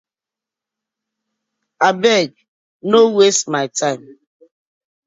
Abeg! No waste my time.